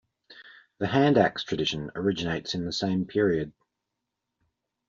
The hand-axe tradition originates in the same period.